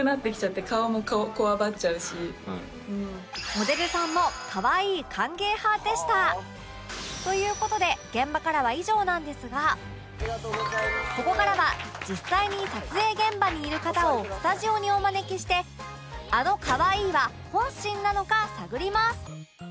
モデルさんもという事で現場からは以上なんですがここからは実際に撮影現場にいる方をスタジオにお招きしてあの「かわいい」は本心なのか探ります